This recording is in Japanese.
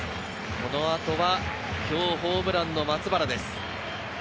この後は今日ホームランの松原です。